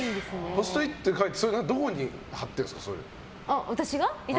ポストイットに書いてどこに貼ってるんですか？